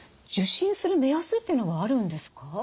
受診する目安っていうのはあるんですか？